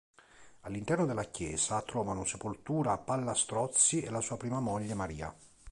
All'interno della chiesa trovavano sepoltura Palla Strozzi e la sua prima moglie, Maria.